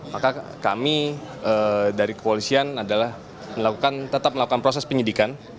maka kami dari kepolisian adalah tetap melakukan proses penyidikan